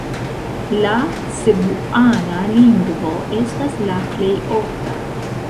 La cebuana lingvo estas la plej ofta.